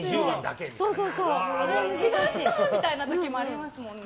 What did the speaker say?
違った！みたいな時もありますもんね。